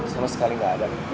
sama sekali gak ada